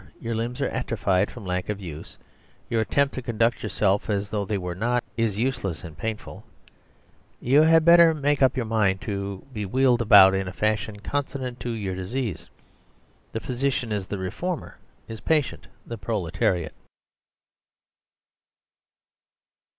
Your limbs are atrophied from lack of use. Your attempt 108 EASIEST SOLUTION to conduct yourself as though they were not is use less and painful ; you had better make up your mind to be wheeled about in a fashion consonant to your disease." The Physician is the Reformer, his Patient the Proletariat.